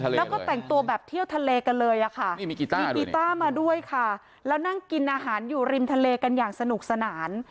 แล้วก็แต่งตัวแบบเที่ยวทะเลกันเลยอะค่ะมีกีต้ามาด้วยค่ะแล้วนั่งกินอาหารอยู่ริมทะเลกันอย่างสนุกสนาน